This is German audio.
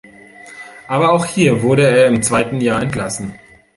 Aber auch hier wurde er im zweiten Jahr entlassen.